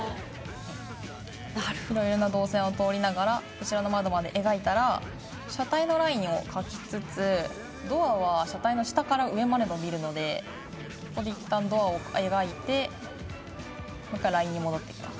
いろいろな動線を通りながらこちらの窓まで描いたら車体のラインを描きつつドアは車体の下から上まで伸びるのでここで一旦ドアを描いてもう一回ラインに戻ってきます。